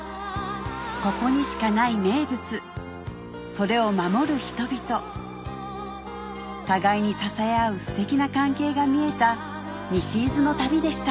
ここにしかない名物それを守る人々互いに支え合うステキな関係が見えた西伊豆の旅でした